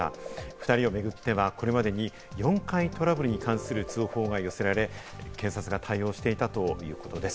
２人を巡ってはこれまでに４回トラブルに関する通報が寄せられ、警察が対応していたということです。